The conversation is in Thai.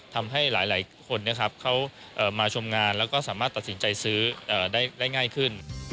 ทำให้หลายคนเขามาชมงานแล้วก็สามารถตัดสินใจซื้อได้ง่ายขึ้น